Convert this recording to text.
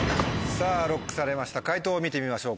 さぁＬＯＣＫされました解答を見てみましょう。